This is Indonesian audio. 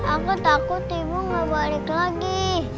aku takut ibu nggak balik lagi